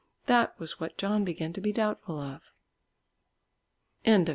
That was what John began to be doubtful of.